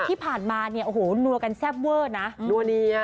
ที่ผ่านมาเนี่ยโอ้โหนัวกันแซ่บเวอร์นะนัวเนีย